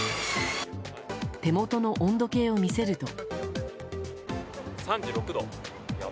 手元の温度計を見せると。